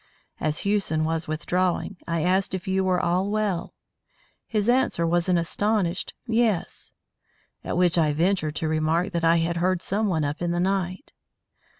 As Hewson was withdrawing, I asked if you were all well. His answer was an astonished Yes. At which I ventured to remark that I had heard someone up in the night.